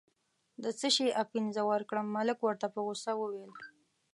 د څه شي اپین زه ورکړم، ملک ورته په غوسه وویل.